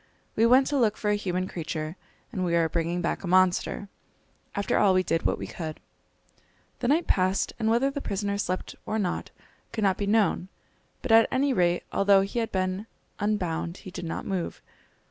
We went to look for a human creature, and we are bringing back a monster! After all we did what we could." The night passed, and whether the prisoner slept or not could not be known; but at any rate, although he had been unbound, he did not move.